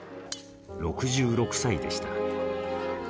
６６歳でした。